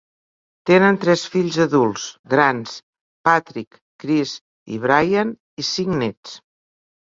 Tenen tres fills adults/grans, Patrick, Chris, i Brian, i cinc nets.